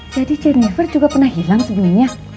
jadi jeniper juga pernah hilang sebelumnya